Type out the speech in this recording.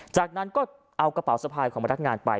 จากนั้นก็เอากระเป๋าสะพายของพนักงานไป